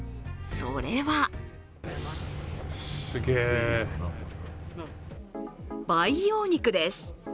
それは培養肉です。